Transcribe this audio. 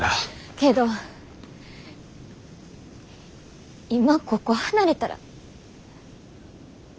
けど今ここ離れたら。